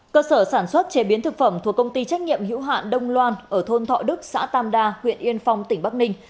cơ sở sản xuất chế biến thực phẩm thuộc công ty trách nhiệm hữu hạn đông loan ở thôn thọ đức xã tam đa huyện yên phong tỉnh bắc ninh